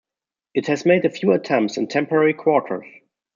It has made a few attempts in temporary quarters.